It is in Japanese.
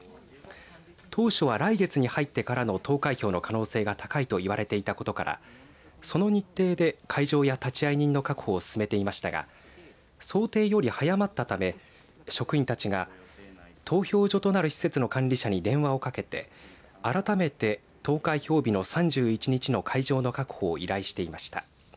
当初は来月に入ってからの投開票の可能性が高いといわれていたことからその日程で会場や立会人の確保を進めていましたが想定より早まったため職員たちが投票所となる施設の管理者に電話をかけて改めて、投開票日の３１日の会場の確保を依頼していました。